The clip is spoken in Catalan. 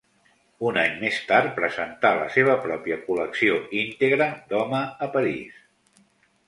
Un any més tard presentà la seva pròpia col·lecció íntegra d’home a París.